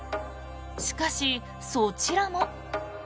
しかし、そちらも。